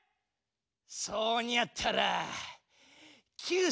そうにゃったら。